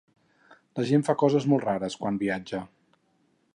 La gent fa coses molt rares, quan viatja.